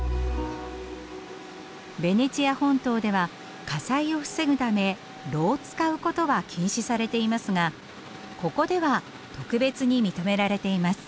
ベネチア本島では火災を防ぐため炉を使うことは禁止されていますがここでは特別に認められています。